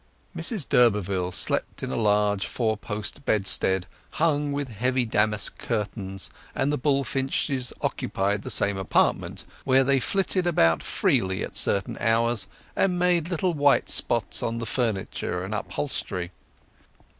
Mrs d'Urberville slept in a large four post bedstead hung with heavy damask curtains, and the bullfinches occupied the same apartment, where they flitted about freely at certain hours, and made little white spots on the furniture and upholstery.